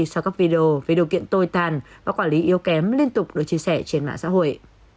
sau các video về điều kiện tồi tàn và quản lý yêu kém liên tục được chia sẻ trên mạng xã hội